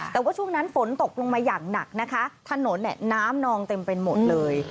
แต่ว่าช่วงนั้นฝนตกลงมาอย่างหนักนะคะถนนเนี่ยน้ำนองเต็มไปหมดเลย